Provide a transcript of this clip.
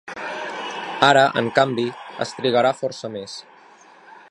Ara, en canvi, es trigarà força més.